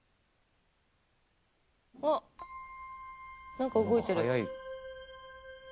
何か動いてる。